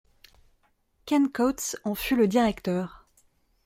Ken Coates en fut le directeur.